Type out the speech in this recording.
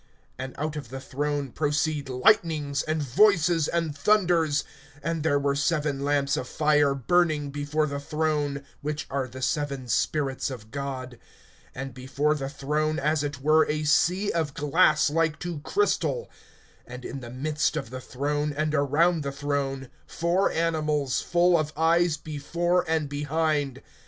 (5)And out of the throne proceed lightnings, and voices, and thunders; and there were seven lamps of fire burning before the throne, which are the seven spirits of God; (6)and before the throne as it were a sea of glass like to crystal; and in the midst of the throne, and around the throne, four animals full of eyes before and behind.